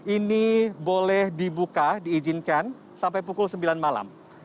ini boleh dibuka diizinkan sampai pukul sembilan malam